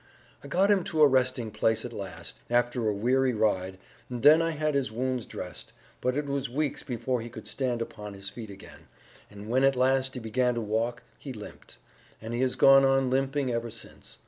"I got him to a resting place at last, after a weary ride, and then I had his wounds dressed; but it was weeks before he could stand upon his feet again, and when at last he began to walk he limped, and he has gone on limping ever since.